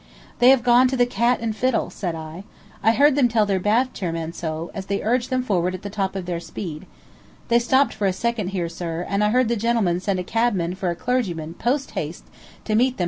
"They have gone to the Cat and Fiddle," said I. "I heard them tell their bath chair men so, as they urged them forward at the top of their speed. They stopped for a second here, sir, and I heard the gentleman send a cabman for a clergyman, post haste, to meet them at the Cat and Fiddle."